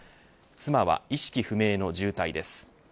妻は意識不明の重体です。